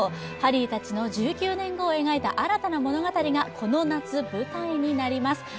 ハリーたちの１９年後を描いた新たな物語がこの夏、舞台になります。